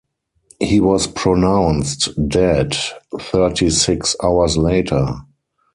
He was pronounced dead thirty-six hours later.